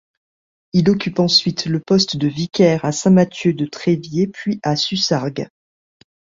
Il occupe ensuite le poste de vicaire à Saint-Mathieu-de-Tréviers puis à Sussargues.